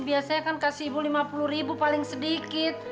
biasanya kan kasih ibu lima puluh ribu paling sedikit